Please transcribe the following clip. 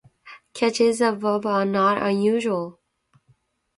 Catches above are not unusual.